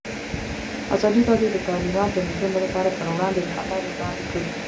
ازادي راډیو د تعلیمات د نجونو لپاره پر وړاندې د حل لارې وړاندې کړي.